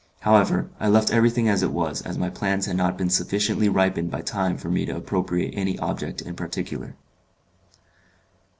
However, I left everything as it was, as my plans had not been sufficiently ripened by time for me to appropriate any object in particular.